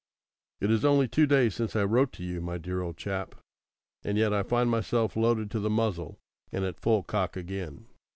It is only two days since I wrote to you, my dear old chap, and yet I find myself loaded to the muzzle and at full cock again.